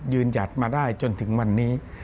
หยัดมาได้จนถึงวันนี้